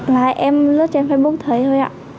lại em lướt trên facebook thấy thôi ạ